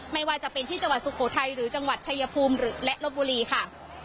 ไม่ว่าจะเป็นที่จังหวัดสุโขทัยหรือจังหวัดชายภูมิหรือและลบบุรีค่ะ